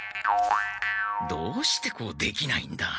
どうしてこうできないんだ。